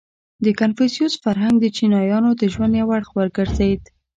• د کنفوسیوس فرهنګ د چینایانو د ژوند یو اړخ وګرځېد.